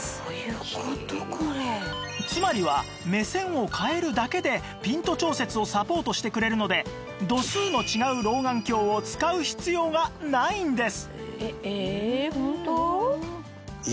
つまりは目線を変えるだけでピント調節をサポートしてくれるので度数の違う老眼鏡を使う必要がないんです！